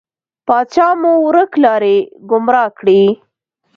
پاچا مو ورک لاری، ګمرا کړی.